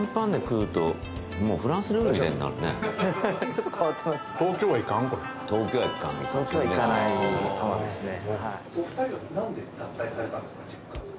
ちょっと変わってますね。